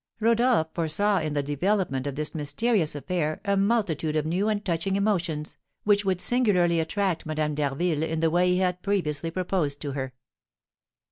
Rodolph foresaw in the development of this mysterious affair a multitude of new and touching emotions, which would singularly attract Madame d'Harville in the way he had previously proposed to her.